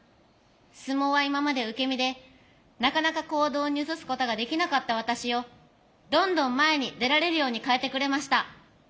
相撲は今まで受け身でなかなか行動に移すことができなかった私をどんどん前に出られるように変えてくれました。